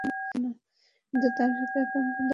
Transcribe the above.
কিন্তু তার সাথে একান্তে দেখা করতে পারবে না।